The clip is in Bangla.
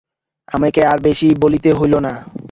আমাকে আর বেশী বলিতে হইল না।